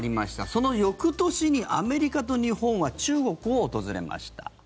その翌年にアメリカと日本は中国を訪れました。